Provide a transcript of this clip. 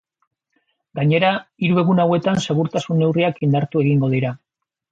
Gainera, hiru egun hauetan segurtasun-neurriak indartu egingo dira.